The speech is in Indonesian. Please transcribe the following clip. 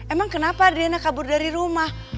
emang kenapa adriana kabur dari rumah